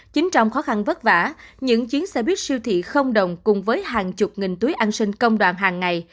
chính trong khó khăn vất vả những chiến xe buýt siêu thị không đồng cùng với hàng chục nghìn túi ăn sinh công đoàn hàng ngày